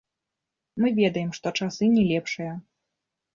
Мы ведаем, што часы не лепшыя.